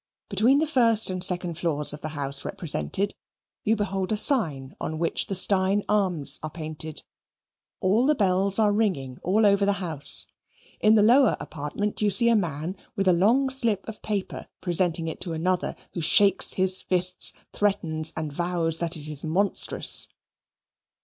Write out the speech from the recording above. Between the first and second floors of the house represented, you behold a sign on which the Steyne arms are painted. All the bells are ringing all over the house. In the lower apartment you see a man with a long slip of paper presenting it to another, who shakes his fists, threatens and vows that it is monstrous.